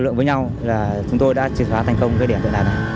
đối lượng với nhau là chúng tôi đã triển thoát thành công cái điểm tựa đàn này